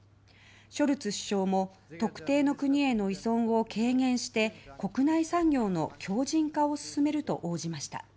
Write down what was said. ショルツ首相も特定の国への依存を軽減して国内産業の強靭化を進めると応じました。